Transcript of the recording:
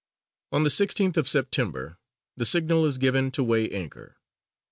On the 16th of September the signal is given to weigh anchor.